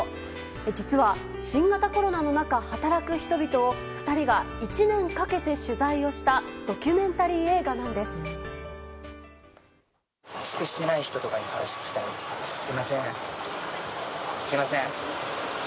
実は、新型コロナの中働く人々を２人が１年かけて取材をしたドキュメンタリー映画なんです。